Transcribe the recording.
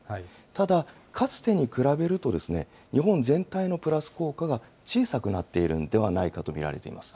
ただ、かつてに比べるとですね、日本全体のプラス効果が小さくなっているんではないかと見られています。